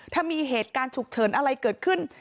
ถ้ามีเหตุการณ์ฉุกเฉินอะไรเกิดขึ้น